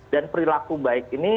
dan perilaku baik ini